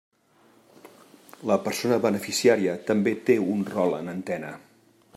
La persona beneficiària també té un rol en antena.